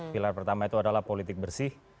pilar pertama itu adalah politik bersih